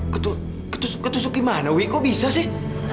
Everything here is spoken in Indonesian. ketu ketusuk gimana wih kok bisa sih